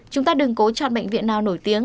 chúng ta đừng có chọn bệnh viện nào nổi tiếng